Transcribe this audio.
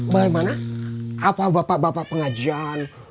bagaimana apa bapak bapak pengajian